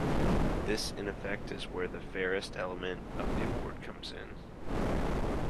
This in effect is where the "fairest" element of the award comes in.